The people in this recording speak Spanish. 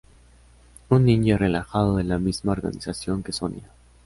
Un ninja relajado de la misma organización que Sonya.